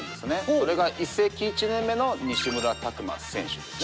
それが移籍１年目の西村拓真選手ですね。